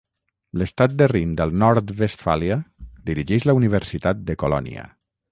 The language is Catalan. L'Estat de Rin del Nord-Westfàlia dirigeix la Universitat de Colònia.